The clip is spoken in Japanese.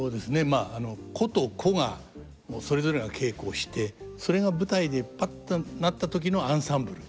まあ個と個がそれぞれが稽古をしてそれが舞台でパッとなった時のアンサンブル？